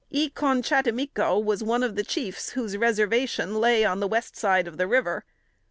E con chattimico was one of the chiefs whose reservation lay on the west side of the river.